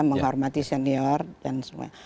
menghormati senior dan sebagainya